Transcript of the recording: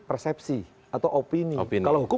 persepsi atau opini kalau hukum